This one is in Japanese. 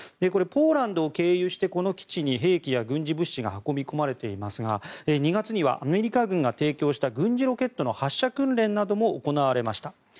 これはポーランドを経由してこの基地に兵器や軍事物資が運び込まれていますが２月にはアメリカ軍が提供した軍事ロケットの発射訓練なども行われました。